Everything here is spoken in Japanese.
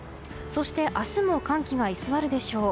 そして明日も寒気が居座るでしょう。